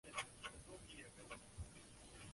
解夫娄迁都之后国号东扶余。